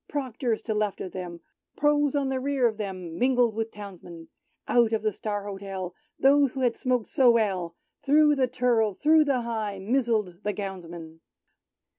Proctors to left of them, Pro's on the rear of them. Mingled with Townsmen ! Out of the "Star Hotel," Those who had smoked so well. Thro' the Turl— through the High Mizzled the Gownsmen